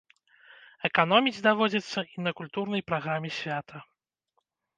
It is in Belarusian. Эканоміць даводзіцца і на культурнай праграме свята.